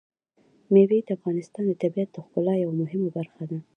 مېوې د افغانستان د طبیعت د ښکلا یوه مهمه برخه ده.